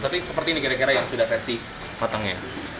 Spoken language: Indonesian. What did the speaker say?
tapi seperti ini kira kira yang sudah versi potongnya